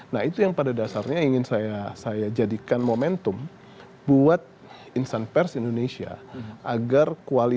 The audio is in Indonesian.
nah itu yang pada dasarnya ingin saya jelaskan